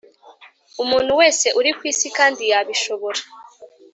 umuntu wese uri kw’isi kandi yabishobora